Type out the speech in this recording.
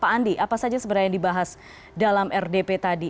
apa saja sebenarnya yang dibahas dalam rdp tadi